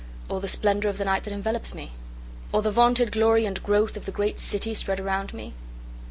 Or the splendor of the night that envelopes me? Or the vaunted glory and growth of the great city spread around me?